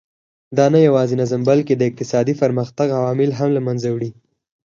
دا نه یوازې نظم بلکې د اقتصادي پرمختګ عوامل هم له منځه وړي.